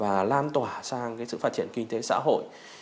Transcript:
và lan tỏa sang cái sự phát triển kinh tế xã hội